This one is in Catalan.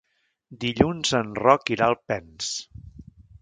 Dilluns en Roc irà a Alpens.